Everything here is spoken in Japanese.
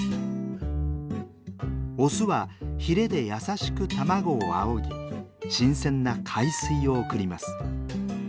オスはヒレで優しく卵をあおぎ新鮮な海水を送ります。